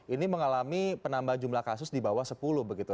ini mengalami penambahan jumlah kasus di bawah sepuluh begitu